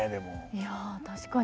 いや確かに。